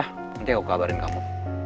nanti aku kabarin kamu